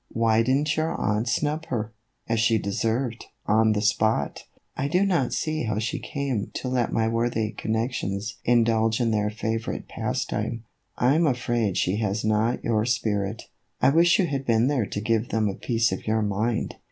Why did n't your aunt snub her, as she deserved, on the spot ? I do not see how she came to let my worthy connections indulge in their favorite pastime. I 'm afraid she has not your spirit. I wish you had been there to give them a piece of your mind."